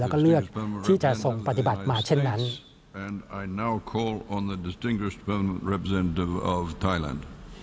แล้วก็เลือกที่จะทรงปฏิบัติมาเช่นนั้น